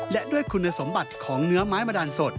และด้วยคุณสมบัติของเนื้อไม้มาดาลสด